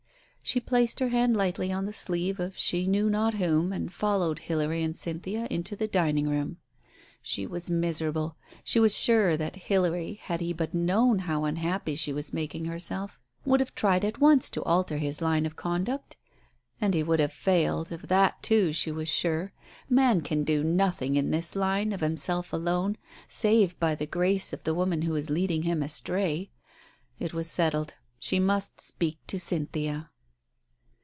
She placed her hand lightly on the sleeve of she knew not whom, and followed Hilary and Cynthia into the dining room. She was miserable, she was sure that Hilary, had he but known how unhappy she was making herself, would have tried at once to alter his line of conduct. And he would have failed ! Of that, too, she was sure. Man can do nothing in this line, of himself alone, save by the grace of the woman who is leading him astray. It was settled; she must speak to Cynthia